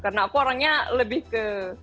karena aku orangnya lebih ke